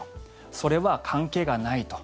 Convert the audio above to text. それは関係がないと。